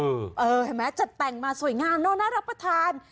เห็นไหมจัดแต่งมาสวยงามเนอะน่ารับประทาน